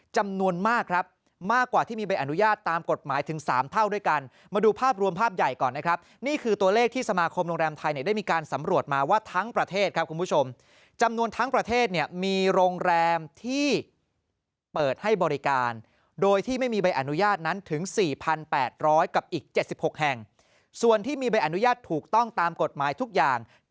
จำนวนมากนะครับมากกว่าที่มีใบอนุญาตตามกฎหมายถึงสามเท่าด้วยกัน